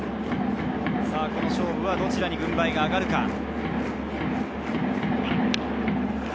この勝負、どちらに軍配が上がるか。